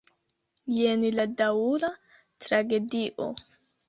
Jen la daŭra tragedio.